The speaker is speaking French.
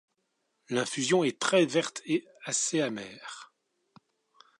L'infusion est très verte et assez amère.